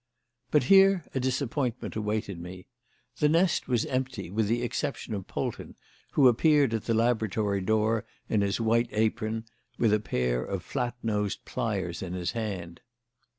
But here a disappointment awaited me. The nest was empty with the exception of Polton, who appeared at the laboratory door in his white apron, with a pair of flat nosed pliers in his hand.